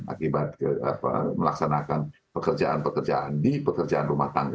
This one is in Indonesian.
akibat melaksanakan pekerjaan pekerjaan di pekerjaan rumah tangga